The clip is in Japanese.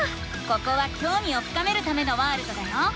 ここはきょうみを深めるためのワールドだよ。